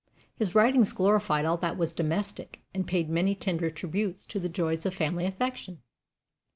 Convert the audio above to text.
His writings glorified all that was domestic, and paid many tender tributes to the joys of family affection.